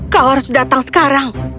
kau harus datang sekarang